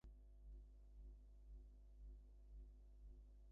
সেই প্রামাণিক সাক্ষীকে তলবের ভয়ে হেমনলিনীকে নিরুত্তর হইতে হইল।